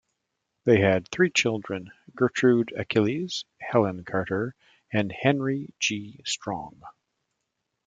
They had three children: Gertrude Achilles, Helen Carter, and Henry G. Strong.